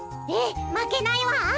ええまけないわ！